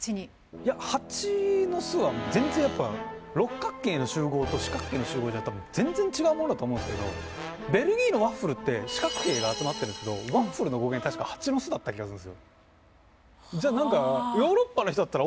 いや蜂の巣は全然やっぱ六角形の集合と四角形の集合じゃ多分全然違うもんだと思うんですけどベルギーのワッフルって四角形が集まってるんですけどワッフルの語源確か蜂の巣だった気がするんですよ。